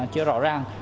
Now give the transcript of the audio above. chưa rõ ràng